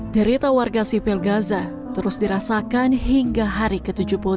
derita warga sipil gaza terus dirasakan hingga hari ke tujuh puluh tiga